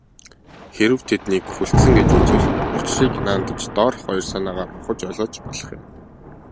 Хэрэв тэднийг хүлцсэн гэж үзвэл, учрыг наанадаж доорх хоёр санаагаар ухаж ойлгож болох юм.